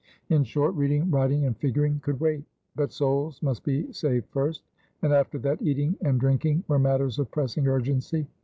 In short, reading, writing, and figuring could wait; but souls must be saved first; and after that eating and drinking were matters of pressing urgency.